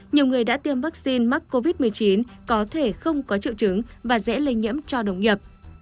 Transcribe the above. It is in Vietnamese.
nhiều người đã tiêm vaccine mắc covid một mươi chín có thể không có triệu chứng và dễ lây nhiễm cho đồng nghiệp